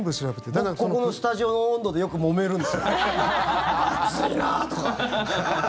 ここもスタジオの温度でよくもめるんです、暑いなとか。